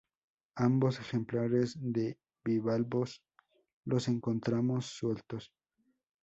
Ambos ejemplares de bivalvos los encontramos sueltos.